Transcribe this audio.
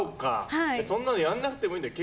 そんなのやらなくていいんだよ